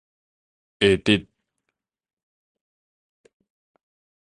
會得